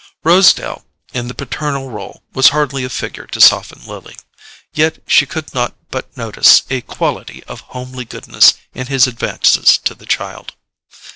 Rosedale in the paternal role was hardly a figure to soften Lily; yet she could not but notice a quality of homely goodness in his advances to the child.